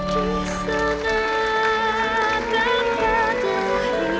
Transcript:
di sana tempat tuhan berkata